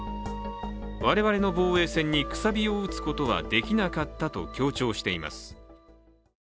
我々の防衛線にくさびを打つことはできなかったと強調しています。